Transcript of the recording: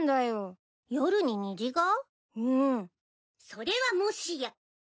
・それはもしや。